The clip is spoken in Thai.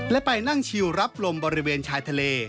และไปนั่งชิวรับลมบริเวณชายทะเล